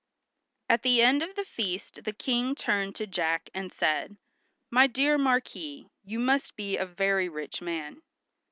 At the end of the feast the King turned to Jack and said, "My dear Marquis, you must be a very rich man."